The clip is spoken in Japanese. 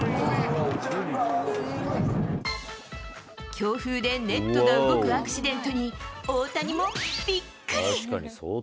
強風でネットが動くアクシデントに、大谷もびっくり。